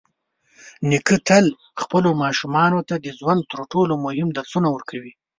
نیکه تل خپلو ماشومانو ته د ژوند تر ټولو مهم درسونه ورکوي.